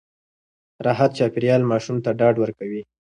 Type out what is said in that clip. راحت چاپېريال ماشوم ته ډاډ ورکوي.